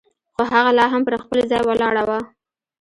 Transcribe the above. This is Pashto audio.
خو هغه لا هم پر خپل ځای ولاړه وه.